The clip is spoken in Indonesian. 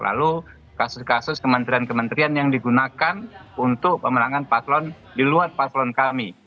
lalu kasus kasus kementerian kementerian yang digunakan untuk pemenangan paslon di luar paslon kami